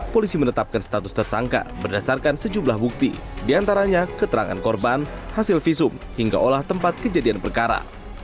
polisi menetapkan status tersangka berdasarkan sejumlah bukti diantaranya keterangan korban hasil visum hingga olah tempat kejadian perkara